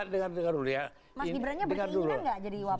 mas gibrannya berkeinginan nggak jadi wapres